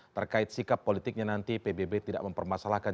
terkait sikap politiknya nanti pbb tidak mempermasalahkan